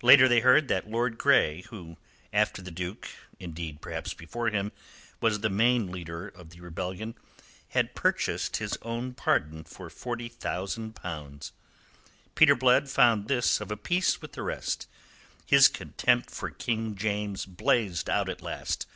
Later they heard that Lord Grey, who after the Duke indeed, perhaps, before him was the main leader of the rebellion, had purchased his own pardon for forty thousand pounds. Peter Blood found this of a piece with the rest. His contempt for King James blazed out at last.